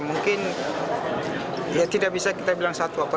mungkin ya tidak bisa kita bilang satu apa